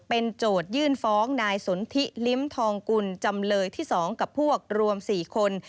เป็นโจทยื่นฟ้องนายสนทิลิ้มทองกุลจำเลยที่๒กับพวกรวม๔คน